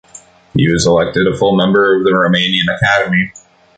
He was elected a full member of the Romanian Academy.